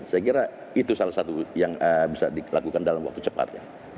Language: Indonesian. saya kira itu salah satu yang bisa dilakukan dalam waktu cepat